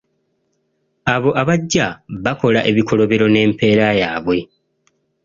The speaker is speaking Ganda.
Abo abajja bakola ebikolobero n’empeera yaabwe.